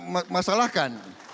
ini yang kita masalahkan